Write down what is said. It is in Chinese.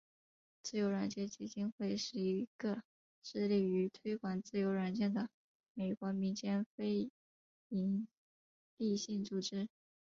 自由软件基金会是一个致力于推广自由软件的美国民间非营利性组织。